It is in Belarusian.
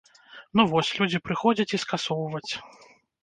Ну вось, людзі прыходзяць і скасоўваць.